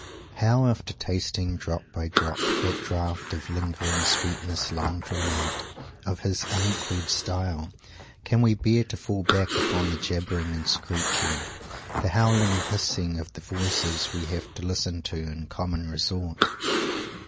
How, after tasting, drop by drop, that draught of "lingered sweetness long drawn out" of his unequalled style, can we bear to fall back upon the jabbering and screeching, the howling and hissing, of the voices we have to listen to in common resort?